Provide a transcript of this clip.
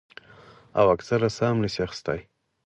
او اکثر ساه هم نشي اخستے ـ